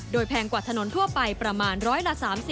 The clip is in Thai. โดยแพงกว่าถนนทั่วไปประมาณร้อยละ๓๐